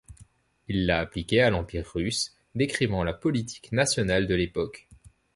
Il l'a appliquée à l'Empire russe, décrivant la politique nationale de l'époque.